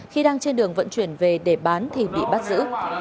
khi đang trên đường vận chuyển về để bán thì bị bắt giữ